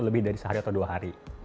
lebih dari sehari atau dua hari